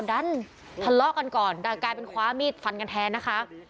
ดันทะเลาะกันก่อนแต่กลายเป็นคว้ามีดฟันกันแทนนะคะ